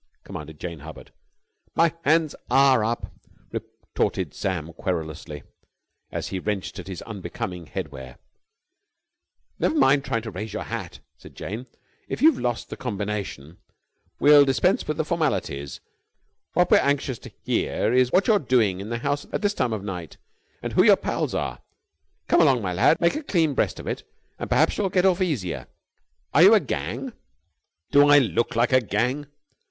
commanded Jane Hubbard. "My hands are up!" retorted Sam querulously, as he wrenched at his unbecoming head wear. "Never mind trying to raise your hat," said Jane. "If you've lost the combination, we'll dispense with the formalities. What we're anxious to hear is what you're doing in the house at this time of night, and who your pals are. Come along, my lad, make a clean breast of it and perhaps you'll get off easier. Are you a gang?" "Do I look like a gang?"